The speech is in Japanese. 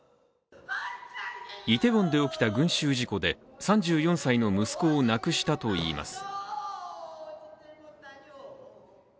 イテウォンで起きた群集事故で３４歳の息子を亡くしたといいます。